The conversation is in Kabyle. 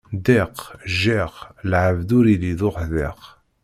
Ddiq, jjiq, lɛebd ur illi d uḥdiq.